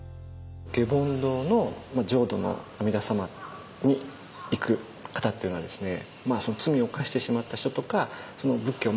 下品堂の浄土の阿弥陀様に行く方っていうのはですね